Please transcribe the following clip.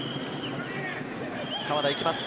鎌田、行きます。